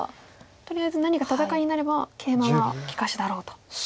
とりあえず何か戦いになればケイマは利かしだろうと。